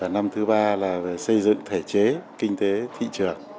năm thứ ba là về xây dựng thể chế kinh tế thị trường